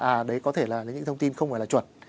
à đấy có thể là những thông tin không phải là chuẩn